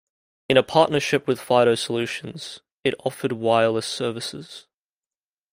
In a partnership with Fido Solutions, it offered wireless services.